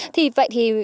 thì vậy thì